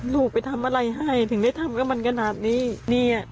ลูกไปทำอะไรให้ถึงได้ทำกับมันขนาดนี้